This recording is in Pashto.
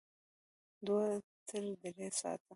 دوه تر درې ساعته